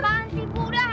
apaan sih bu